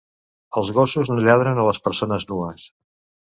Els gossos no lladren a les persones nues.